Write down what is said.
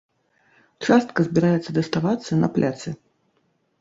Частка збіраецца даставацца на пляцы.